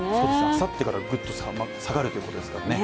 あさってからぐっと下がるということですからね。